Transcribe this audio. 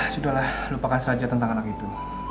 sudahlah lupakan saja tentang anak itu